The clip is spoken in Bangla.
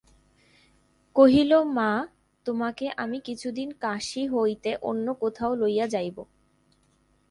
কহিল, মা, তোমাকে আমি কিছুদিন কাশী হইতে অন্য কোথাও লইয়া যাইব।